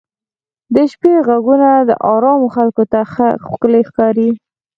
د شپې ږغونه ارامو خلکو ته ښکلي ښکاري.